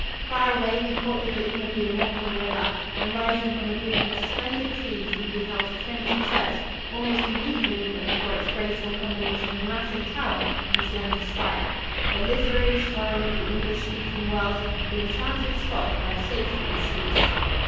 Far away we caught the gleam of the immortal river, and rising from a group of splendid trees we beheld Trinity Church almost unique in England for its graceful combination of massive tower and slender spire the literary shrine of the English speaking world, the enchanted spot where Shakespeare sleeps.